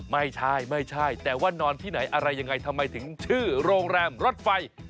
ไม่ใช่ไม่ใช่แต่ว่านอนที่ไหนอะไรยังไงทำไมถึงชื่อโรงแรมรถไฟ